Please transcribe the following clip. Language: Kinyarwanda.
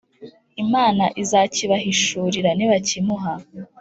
Imana izakibahishurira nibakimuha